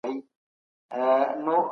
کابینه بشري حقونه نه محدودوي.